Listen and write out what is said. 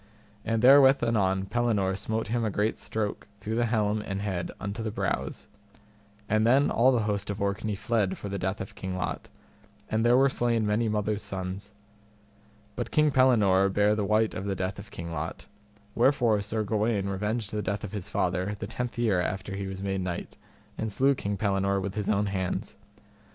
And therewith anon Pellinore smote him a great stroke through the helm and head unto the brows. And then all the host of Orkney fled for the death of King Lot, and there were slain many mothers' sons. But King Pellinore bare the wite of the death of King Lot, wherefore Sir Gawaine revenged the death of his father the tenth year after he was made knight, and slew King Pellinore with his own hands.